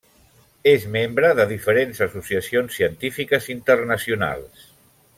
És membre de diferents associacions científiques internacionals.